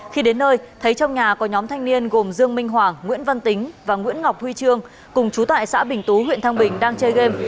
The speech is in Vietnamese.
khi đến nơi thấy trong nhà có nhóm thanh niên gồm dương minh hoàng nguyễn văn tính và nguyễn ngọc huy trương cùng chú tại xã bình tú huyện thăng bình đang chơi game